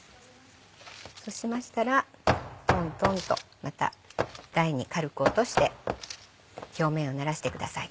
そうしましたらトントンとまた台に軽く落として表面をならしてください。